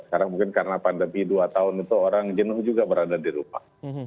sekarang mungkin karena pandemi dua tahun itu orang jenuh juga berada di rumah